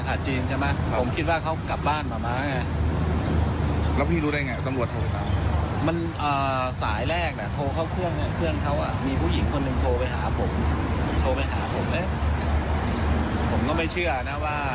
เขาทำพักกับพันธุ์หมด